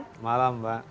selamat malam pak hidam